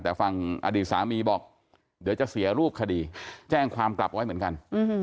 แต่ฝั่งอดีตสามีบอกเดี๋ยวจะเสียรูปคดีแจ้งความกลับไว้เหมือนกัน